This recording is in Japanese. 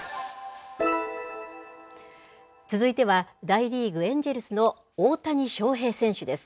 続いては、大リーグ・エンジェルスの大谷翔平選手です。